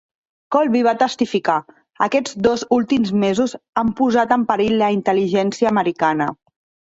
Colby va testificar, "Aquests dos últims mesos han posat en perill la intel·ligència americana".